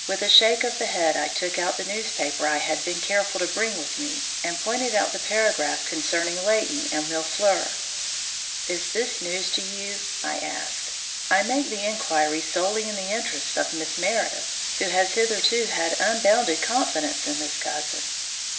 With a shake of the head I took out the newspaper I had been careful to bring with me, and pointed out the paragraph concerning Leighton and Mille fleurs. "Is this news to you?" I asked. "I make the inquiry solely in the interests of Miss Meredith, who has hitherto had unbounded confidence in this cousin."